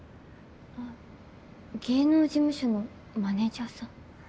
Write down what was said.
あ芸能事務所のマネージャーさん。